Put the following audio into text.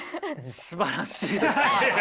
すばらしいですね。